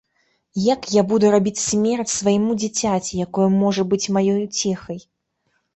Як я буду рабіць смерць свайму дзіцяці, якое можа быць маёй уцехай.